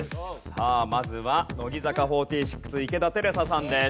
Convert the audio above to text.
さあまずは乃木坂４６池田瑛紗さんです。